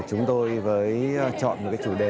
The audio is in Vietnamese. chúng tôi với chọn một chủ đề